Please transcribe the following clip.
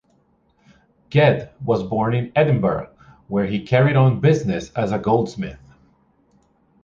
Ged was born in Edinburgh, where he carried on business as a goldsmith.